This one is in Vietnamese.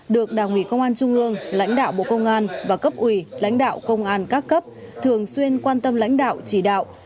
được đảng ủy công an trung ương lãnh đạo bộ công an và cấp ủy lãnh đạo công an các cấp thường xuyên quan tâm lãnh đạo chỉ đạo